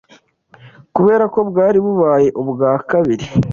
Kubera ko bwari bubaye ubwa kabiri